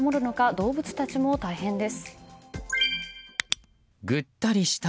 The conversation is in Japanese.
動物たちも大変です。